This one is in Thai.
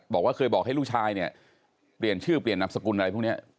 บอกว่าเคยบอกให้ลูกชายเนี่ยเปลี่ยนชื่อเปลี่ยนนามสกุลอะไรพวกนี้